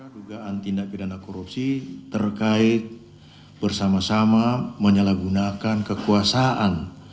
dugaan tindak pidana korupsi terkait bersama sama menyalahgunakan kekuasaan